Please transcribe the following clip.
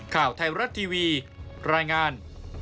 ข่าวไทยรัฐทีวีรายงาน